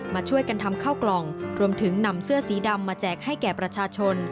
มาช่วยกันทำข้าวกล่องรวมถึงนำเสื้อสีดำมาแจกให้แก่ประชาชน